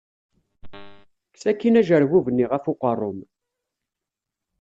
Kkes akin ajerbub-nni ɣef uqerru-m.